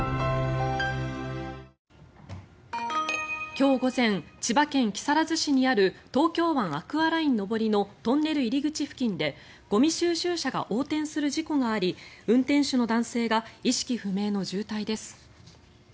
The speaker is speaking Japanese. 今日午前千葉県木更津市にある東京湾アクアライン上りのトンネル入り口付近でゴミ収集車が横転する事故があり運転手の男性が意識不明の重体です。